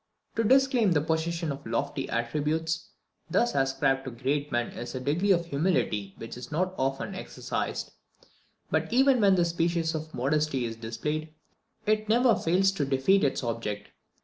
To disclaim the possession of lofty attributes thus ascribed to great men is a degree of humility which is not often exercised. But even when this species of modesty is displayed, it never fails to defeat its object.